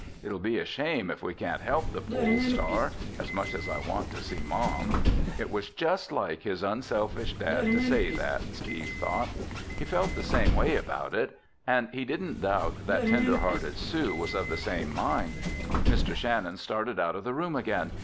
It'll be a shame if we can't help the Pole Star—as much as I want to see Mom." It was just like his unselfish dad to say that, Steve thought. He felt the same way about it. And he didn't doubt that tender hearted Sue was of the same mind. Mr. Shannon started out of the room again.